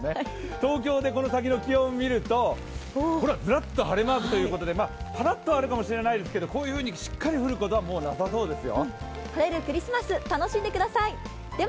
東京でこの先の気温を見るとずらっと晴れマークということでパラっとはあるかもしれないですけど、こういうふうにしっかり降ることはもうなさそうですよ。